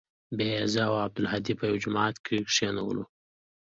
بيا يې زه او عبدالهادي په يوه جماعت کښې کښېنولو.